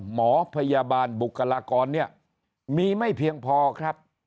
หมอพยาบาลบุคลากรเนี่ยมีไม่เพียงพอครับ